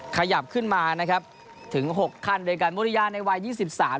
ขยับขึ้นมานะครับถึงหกขั้นด้วยกันมุริยาในวัยยี่สิบสาม